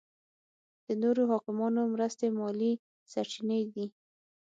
د نورو حاکمانو مرستې مالي سرچینې دي.